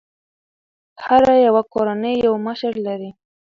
هره يوه کورنۍ یو مشر لري.